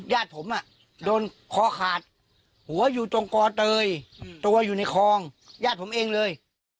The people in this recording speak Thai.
ญาติผมโดนคอขาดหัวอยู่ตรงกอเตยตัวอยู่ในคลองญาติผมเองเลย